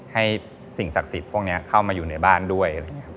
ให้สิ่งศักดิ์สิทธิพวกนี้เข้ามาอยู่ในบ้านด้วย